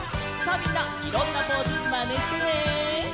みんないろんなポーズまねしてね！